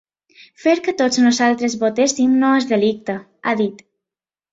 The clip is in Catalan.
Fer que tots nosaltres votéssim no és delicte, ha dit.